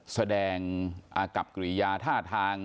แสดงอากับกิริยาท่าทาง